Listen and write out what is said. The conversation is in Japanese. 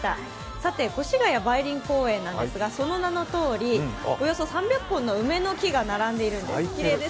さて越谷梅林公園なんですがその名のとおり、およそ３００本の梅の木が並んでいるんです。